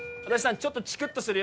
ちょっとチクッとするよ